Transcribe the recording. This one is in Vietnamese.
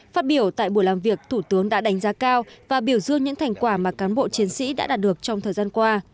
phát biểu tại buổi làm việc thủ tướng đã đánh giá cao và biểu dương những thành quả mà cán bộ chiến sĩ đã đạt được trong thời gian qua